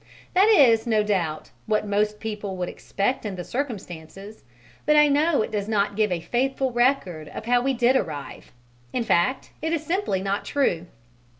That is, no doubt, what most people would expect in the circumstances, but I know it does not give a faithful record of how we did arrive: in fact it is simply not true.